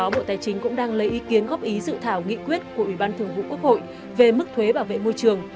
bộ tài chính cũng đang lấy ý kiến góp ý dự thảo nghị quyết của ủy ban thường vụ quốc hội về mức thuế bảo vệ môi trường